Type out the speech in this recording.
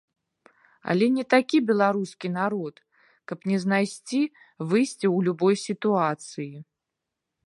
Але не такі беларускі народ, каб не знайсці выйсце ў любой сітуацыі.